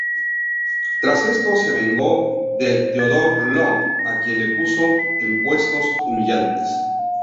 Tras esto se vengó de Theodore Long a quien le puso en puestos humillantes.